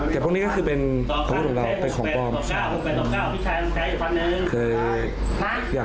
แต่พวกนี้ก็คือเป็นตำรวจของเรา